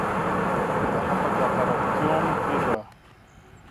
هغه په کاتاراکتیوم کې ده